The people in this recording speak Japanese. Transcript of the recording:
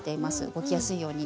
動きやすいように。